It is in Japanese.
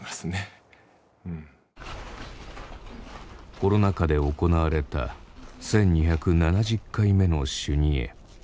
コロナ禍で行われた１２７０回目の修二会。